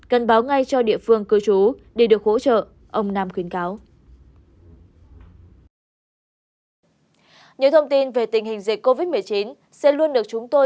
cần báo ngay cho địa phương cư trú để được hỗ trợ ông nam khuyến cáo